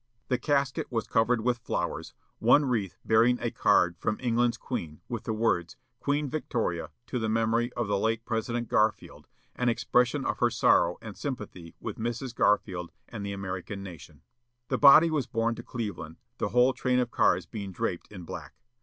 The casket was covered with flowers; one wreath bearing a card from England's queen, with the words: "Queen Victoria, to the memory of the late President Garfield, an expression of her sorrow and sympathy with Mrs. Garfield and the American nation." The body was borne to Cleveland, the whole train of cars being draped in black.